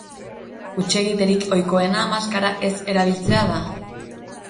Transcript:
Hutsegiterik ohikoena maskara ez erabiltzea da.